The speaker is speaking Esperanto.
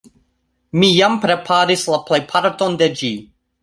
Mi jam preparis la plejparton de ĝi.